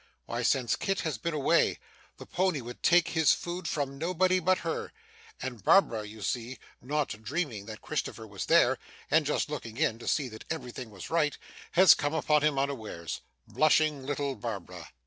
Why, since Kit has been away, the pony would take his food from nobody but her, and Barbara, you see, not dreaming that Christopher was there, and just looking in, to see that everything was right, has come upon him unawares. Blushing little Barbara!